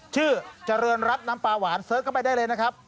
ชื่อเจริญรัฐน้ำปลาหวานเสิร์ชเข้าไปได้เลยนะครับ